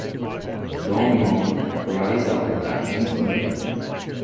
Dom Juan cries out that he is burning.